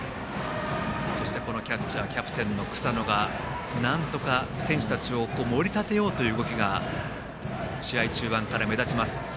そしてキャッチャーキャプテンの草野がなんとか選手たちを盛り立てようという動きが試合中盤から目立ちます。